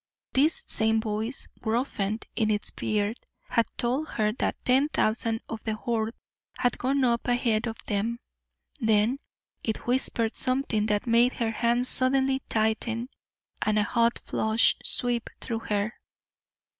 This same voice, gruffened in its beard, had told her that ten thousand of the Horde had gone up ahead of them. Then it whispered something that made her hands suddenly tighten and a hot flush sweep through her.